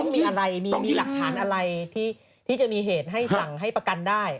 มีอะไรมีหลักฐานอะไรที่จะมีเหตุให้สั่งให้ประกันได้